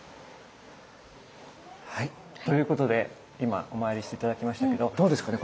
はいということで今お参りして頂きましたけどどうですかね？